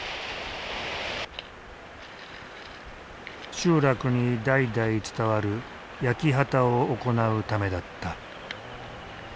集落に代々伝わる焼き畑を行うためだった。